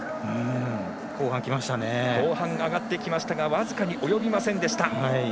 後半が上がってきましたが僅かに及びませんでした。